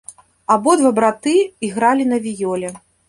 Абодва браты ігралі на віёле.